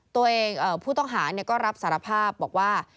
ผู้ต้องหาก็รับสารภาพบอกว่า